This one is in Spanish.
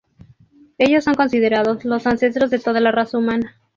Ellos son considerados los ancestros de toda la raza humana.